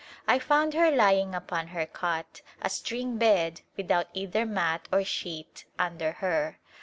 I found her lying upon her cot — a string bed — without either mat or sheet under her.